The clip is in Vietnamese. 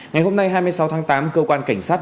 ngày hôm nay hai mươi sáu tháng tám cơ quan cảnh sát